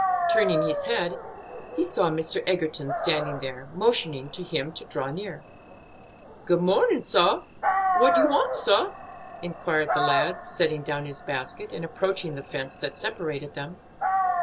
Turning his head, he saw Mr. Egerton standing there, motioning to him to draw near. "Good mornin', sah. What you want, sah?" inquired the lad, setting down his basket, and approaching the fence that separated them.